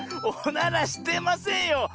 おならしてませんよ。